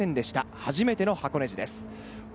初めての箱根路です。